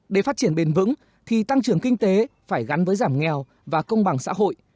để phát triển bền vững thì tăng trưởng kinh tế phải gắn với giảm nghèo và công bằng xã hội